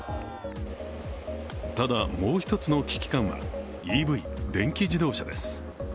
ただ、もう一つの危機感はＥＶ＝電気自動車です。